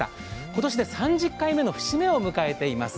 今年で３０回目の節目を迎えています。